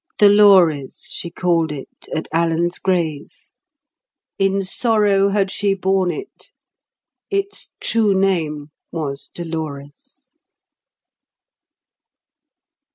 Dolores she called it, at Alan's grave. In sorrow had she borne it; its true name was Dolores.